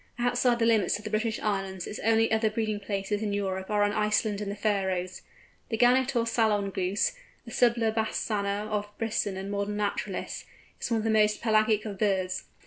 Outside the limits of the British Islands its only other breeding places in Europe are on Iceland and the Faröes. The Gannet or Solan Goose, the Sula bassana of Brisson and modern naturalists, is one of the most pelagic of birds.